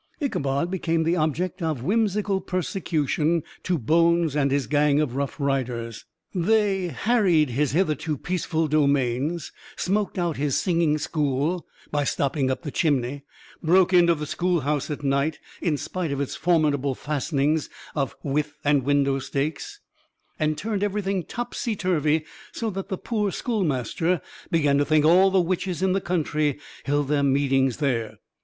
Ichabod became the object of whimsical persecution to Bones and his gang of rough riders. They harried his hitherto peaceful domains; smoked out his singing school, by stopping up the chimney; broke into the schoolhouse at night, in spite of its formidable fastenings of withe and window stakes, and turned everything topsy turvy; so that the poor schoolmaster began to think all the witches in the country held their meetings there.